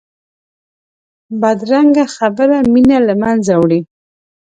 بدرنګه خبره مینه له منځه وړي